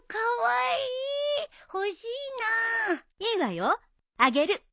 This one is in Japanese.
いいわよあげる。